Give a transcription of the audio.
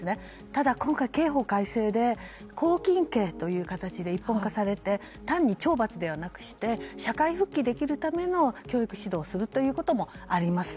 ただ今回、刑法改正で拘禁刑という形で一本化されて単に懲罰ではなくして社会復帰できるための教育指導をするということもあります。